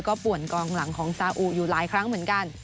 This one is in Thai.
ก็ป่วนกองหลังของซาอุอยู่หลายครั้งเหมือนกัน